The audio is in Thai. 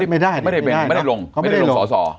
ไม่ได้ไม่ได้ลงไม่ได้ลงสอสอ